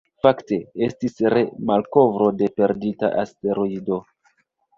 Fakte, estis re-malkovro de perdita asteroido.